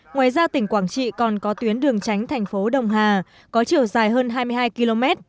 ngoài ra tỉnh quảng trị còn có tuyến đường tránh thành phố đồng hà có chiều dài hơn hai mươi hai km